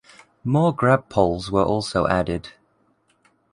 More grabpoles were also added.